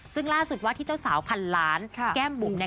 ซึ่งล่าสุดว่าที่เจ้าสาวพันล้านแก้มบุ๋มเนี่ย